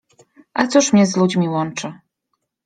A cóż mnie z ludźmi łączy?